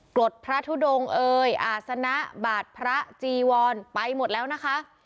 กรดพระทุดงเอ่ยอาศนะบาทพระจีวรไปหมดแล้วนะคะ